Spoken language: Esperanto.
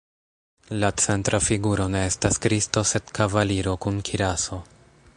La centra figuro ne estas Kristo sed kavaliro kun kiraso.